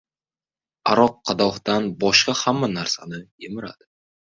• Aroq qadahdan boshqa hamma narsani yemiradi.